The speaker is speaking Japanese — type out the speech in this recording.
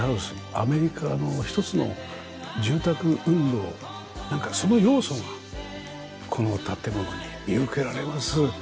アメリカの一つの住宅運動なんかその要素がこの建物に見受けられます。